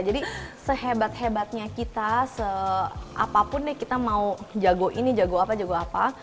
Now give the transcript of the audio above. jadi sehebat hebatnya kita seapapun deh kita mau jago ini jago apa jago apa